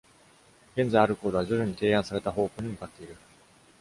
現在あるコードは、徐々に、提案された方向に向かっている。